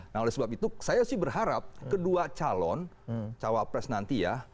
nah oleh sebab itu saya sih berharap kedua calon cawapres nanti ya